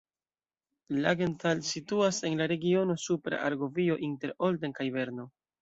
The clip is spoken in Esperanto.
Langenthal situas en la regiono Supra Argovio inter Olten kaj Berno.